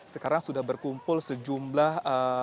sekarang sudah berkumpul sejumlah